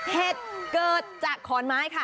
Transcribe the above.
เหตุเกิดจากขอนไม้ค่ะ